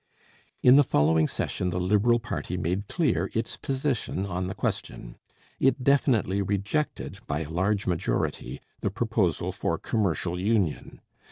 In the following session the Liberal party made clear its position on the question. It definitely rejected by a large majority the proposal for commercial union.